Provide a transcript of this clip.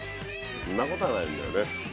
そんなことはないんだよね。